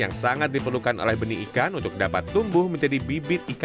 yang sangat diperlukan oleh benih ikan untuk dapat tumbuh menjadi bibit ikan